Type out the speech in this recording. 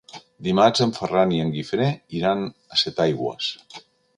Dimarts en Ferran i en Guifré iran a Setaigües.